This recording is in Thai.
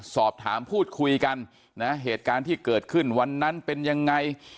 สอบถามพูดคุยกันนะเหตุการณ์ที่เกิดขึ้นวันนั้นเป็นยังไง